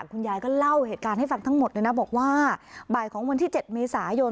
คุณยายก็เล่าเหตุการณ์ให้ฟังทั้งหมดเลยนะบอกว่าบ่ายของวันที่๗เมษายน